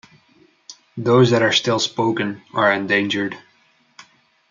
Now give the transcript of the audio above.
Those that are still spoken are endangered.